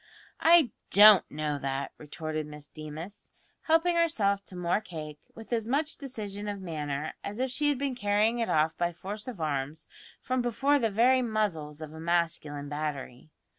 "I don't know that," retorted Miss Deemas, helping herself to more cake with as much decision of manner as if she had been carrying it off by force of arms from before the very muzzles of a masculine battery.